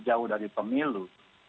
jauh dari pemilu